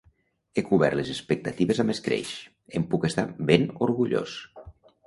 He cobert les expectatives amb escreix. En puc estar ben orgullós!